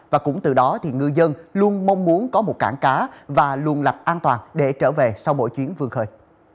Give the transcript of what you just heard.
và cũng từ đó thì ngư dân luôn mong muốn có một cảng cá và luôn lập an toàn để trở về sau mỗi chuyến vươn khơi